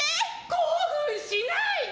興奮しないで！